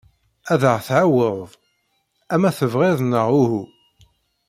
Ad aɣ-tɛaweḍ, ama tebɣiḍ neɣ uhu.